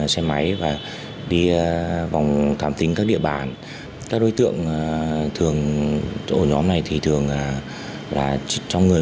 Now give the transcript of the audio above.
xe máy và đi vòng cảm tính các địa bản các đối tượng thường ở nhóm này thì thường là trong người